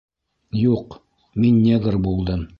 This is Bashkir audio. — Юҡ, мин негр булдым!